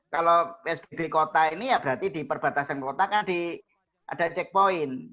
kalau psbb kota ini ya berarti di perbatasan kota kan ada checkpoint